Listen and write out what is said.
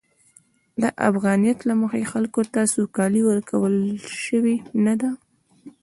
د افغانیت له مخې، خلکو ته سوکالي ورکول شوې نه ده.